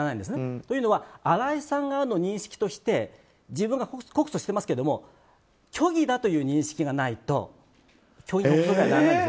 というのは新井さん側の認識として自分が告訴してますけど虚偽だという認識がないと虚偽告訴罪にならないんです。